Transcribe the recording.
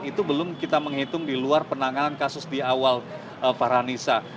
itu belum kita menghitung di luar penanganan kasus di awal farhanisa